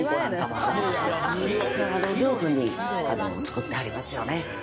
上手に造ってはりますよね。